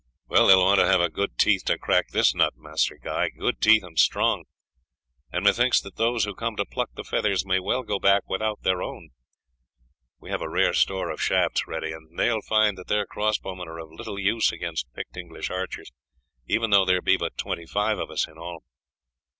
"They will want to have good teeth to crack this nut, Master Guy good teeth and strong; and methinks that those who come to pluck the feathers may well go back without their own. We have a rare store of shafts ready, and they will find that their cross bowmen are of little use against picked English archers, even though there be but twenty five of us in all."